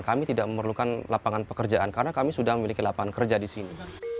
kami tidak memerlukan lapangan pekerjaan karena kami sudah memiliki lapangan kerja di sini